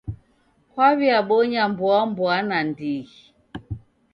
Kwaw'iabonya mboamboa nandighi.